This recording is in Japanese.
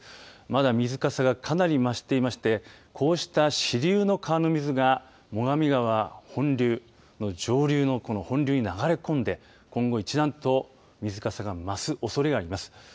まだ水かさがかなり水かさが増していまして支流の川の水が最上川本流の上流の本流に流れ込んで今後、一段と水かさが増すおそれがあります。